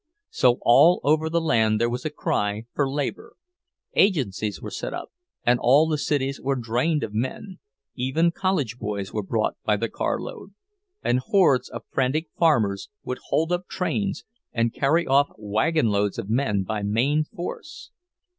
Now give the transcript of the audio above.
So all over the land there was a cry for labor—agencies were set up and all the cities were drained of men, even college boys were brought by the carload, and hordes of frantic farmers would hold up trains and carry off wagon loads of men by main force.